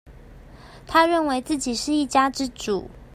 他認為自己是一家之主